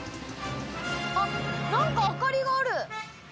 あっ何か明かりがある。